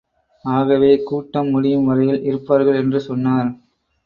ஆகவே கூட்டம் முடியும் வரையில் இருப்பார்கள் என்று சொன்னார்.